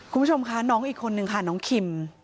คุณผู้ชมคะน้องอีกคนนึงค่ะน้องคิม